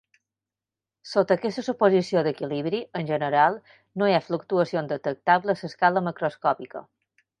Sota aquesta suposició d'equilibri, en general, no hi ha fluctuacions detectables a escala macroscòpica.